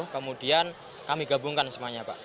kemudian kami gabungkan semuanya pak